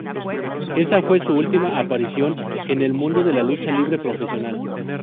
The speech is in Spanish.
Ésa fue su última aparición en el mundo de la lucha libre profesional.